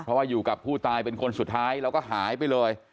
เพราะว่าอยู่กับผู้ตายเป็นคนสุดท้ายแล้วก็หายไปเลย